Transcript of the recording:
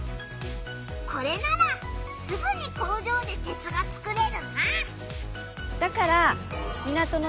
これならすぐに工場で鉄が作れるな！